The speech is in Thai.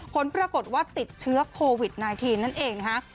ผลปรากฏว่าติดเชื้อโควิด๑๙นั่นเองนะคะ